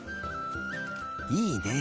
いいね。